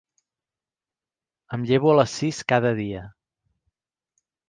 Em llevo a les sis cada dia.